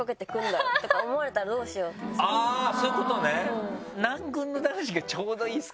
あぁそういうことね！